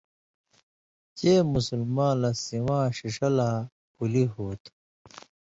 چےۡ مُسلما لہ سِواں ݜِݜہ لا اُولی ہُو تھہ۔